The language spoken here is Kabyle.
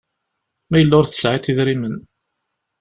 Ma yella ur tesɛiḍ idrimen